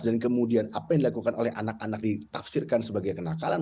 dan kemudian apa yang dilakukan oleh anak anak ditafsirkan sebagai kenakalan